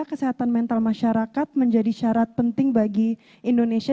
kesehatan mental masyarakat menjadi syarat penting bagi indonesia